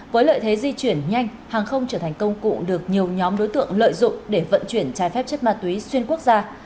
với lợi thế di chuyển nhanh hàng không trở thành công cụ được nhiều nhóm đối tượng lợi dụng để vận chuyển trái phép chất ma túy xuyên quốc gia